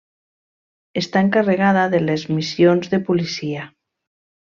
Està encarregada de les missions de policia.